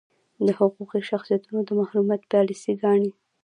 د حقوقي شخصیتونو د محرومیت پالیسي ګانې.